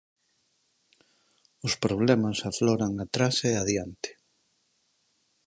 Os problemas afloran atrás e adiante.